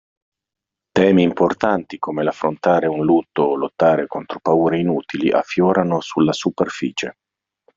Temi importanti, come l'affrontare un lutto o lottare contro paure inutili, affiorano sulla superficie.